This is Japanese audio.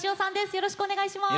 よろしくお願いします。